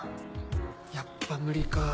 やっぱ無理か。